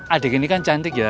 adik ini kan cantik ya